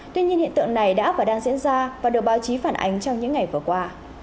tuy nhiên hiện tượng này đã và đang diễn ra và được báo chí phản ánh trong những ngày vừa qua